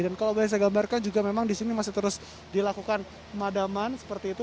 dan kalau boleh saya gambarkan juga memang di sini masih terus dilakukan pemadaman seperti itu